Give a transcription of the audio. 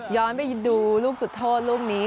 ไปดูลูกจุดโทษลูกนี้